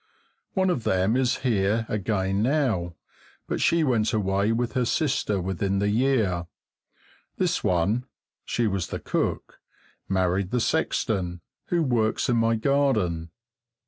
One of them is here again now, but she went away with her sister within the year. This one she was the cook married the sexton, who works in my garden.